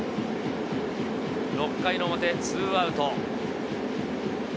６回の表、２アウト。